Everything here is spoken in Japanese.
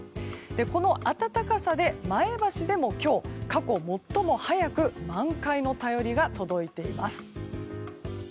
この暖かさで前橋でも今日過去最も早く満開の便りが届いています。